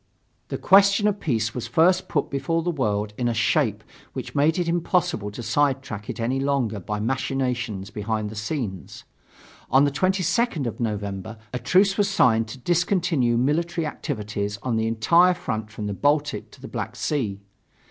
The question of peace was first put before the world in a shape which made it impossible to side track it any longer by machinations behind the scenes. On the 22nd of November a truce was signed to discontinue military activities on the entire front from the Baltic to the Black Sea.